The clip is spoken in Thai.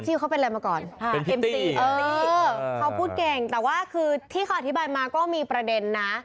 ชื่อเขาเป็นอะไรมาก่อนเอ็มซีเออเขาพูดเก่งแต่ว่าคือที่เขาอธิบายมาก็มีประเด็นนะ